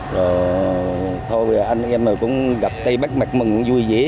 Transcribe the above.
rồi thôi anh em cũng gặp cây bách mạch mừng vui vẻ